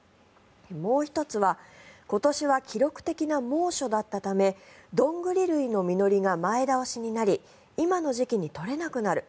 もう１つは今年は記録的な猛暑だったためドングリ類の実りが前倒しになり今の時期に採れなくなる。